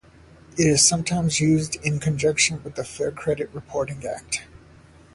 It is sometimes used in conjunction with the Fair Credit Reporting Act.